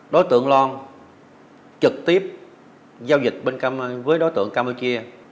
đối tượng loan trực tiếp giao dịch với đối tượng campuchia